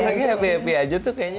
apalagi happy happy aja tuh kayaknya